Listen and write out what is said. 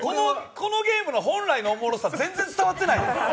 このゲームの本来のおもろさ全然伝わってないよ。